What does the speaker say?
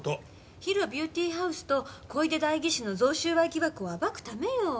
ＨＩＲＯビューティーハウスと小出代議士の贈収賄疑惑を暴くためよ。